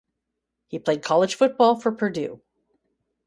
He played college football for Purdue.